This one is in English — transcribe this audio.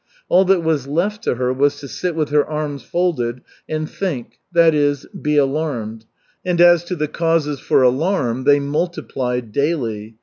All that was left to her was to sit with her arms folded and think, that is, be alarmed. And as to the causes for alarm, they multiplied daily.